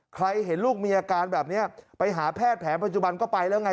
เห็นลูกมีอาการแบบนี้ไปหาแพทย์แผนปัจจุบันก็ไปแล้วไง